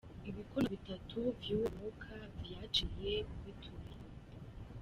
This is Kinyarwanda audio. Ibikono bitatu vy'uwo mwuka vyaciye biturirwa.